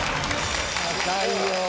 高いよ！